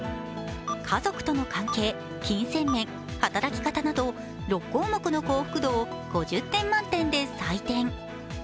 家族との関係、金銭面、働き方など６項目の幸福度を５０点満点で採点。